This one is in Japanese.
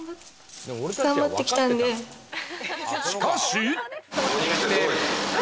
しかし。